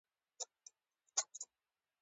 د خپل تعهد د اصالت پر رياضت بدله کړه.